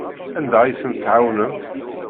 Anda ay tent-tɛawnem?